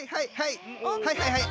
はいはいはい！